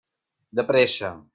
De pressa!